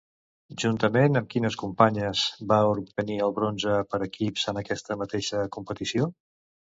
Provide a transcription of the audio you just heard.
Juntament amb quines companyes va obtenir el bronze per equips en aquesta mateixa competició?